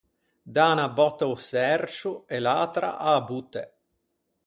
Dâ unna bòtta a-o çercio e l’atra a-a botte.